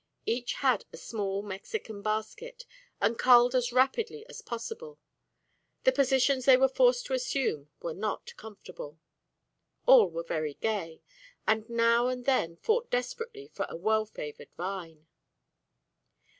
Each had a small Mexican basket, and culled as rapidly as possible; the positions they were forced to assume were not comfortable. All were very gay, and now and then fought desperately for a well favoured vine.